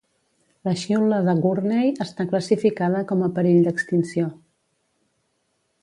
La xiula de Gurney està classificada com a perill d'extinció